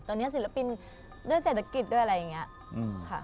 ตอนนี้ศิลปินด้วยเศรษฐกิจด้วยอะไรอย่างนี้ค่ะ